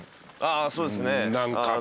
ああそうですね。